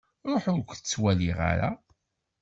Ruḥ ur-k ttwaliɣ ara!